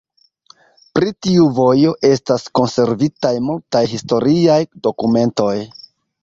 Pri tiu vojo estas konservitaj multaj historiaj dokumentoj.